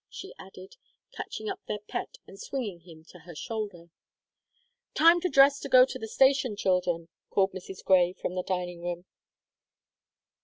she added, catching up their pet and swinging him to her shoulder. "Time to dress to go to the station, children!" called Mrs. Grey from the dining room.